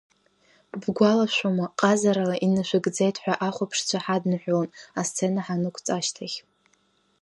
Бгәалашәома, ҟазарала инашәыгӡеит ҳәа ахәаԥшцәа ҳадныҳәалон, асцена ҳанықәҵ ашьҭахь.